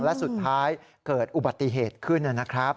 และสุดท้ายเกิดอุบัติเหตุขึ้นนะครับ